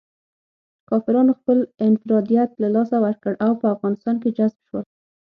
کافرانو خپل انفرادیت له لاسه ورکړ او په افغانستان کې جذب شول.